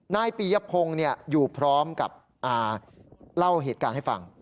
นายปียพงศ์อยู่พร้อมกับเล่าเหตุการณ์ให้ฟัง